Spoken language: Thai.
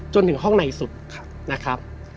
จนถึงห้องในสุดนะครับ